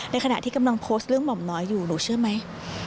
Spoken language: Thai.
ขณะที่กำลังโพสต์เรื่องหม่อมน้อยอยู่หนูเชื่อไหม